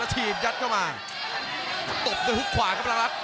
ทีมยัดเข้ามาตบด้วยฮุกขวาครับพลังลักษ